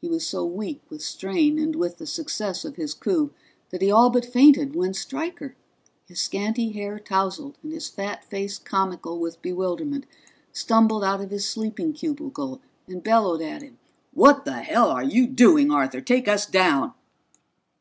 He was so weak with strain and with the success of his coup that he all but fainted when Stryker, his scanty hair tousled and his fat face comical with bewilderment, stumbled out of his sleeping cubicle and bellowed at him. "What the hell are you doing, Arthur? Take us down!"